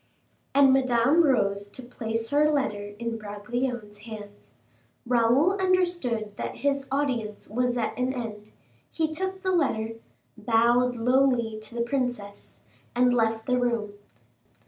And Madame rose to place her letter in Bragelonne's hands. Raoul understood that his audience was at an end; he took the letter, bowed lowly to the princess, and left the room.